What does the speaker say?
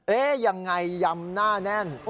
ยังไงยำหน้าแน่น